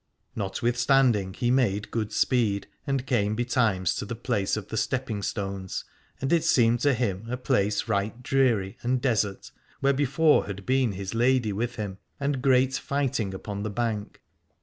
Notwithstanding he made good speed and came betimes to the place of the stepping stones, and it seemed to him a place right dreary and desert, where before had been his lady with him and great fight 239 Aladore ing upon the bank.